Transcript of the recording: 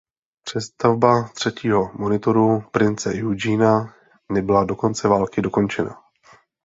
Přestavba třetího monitoru "Prince Eugene" nebyla do konce války dokončena.